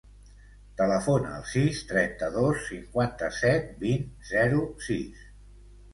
Telefona al sis, trenta-dos, cinquanta-set, vint, zero, sis.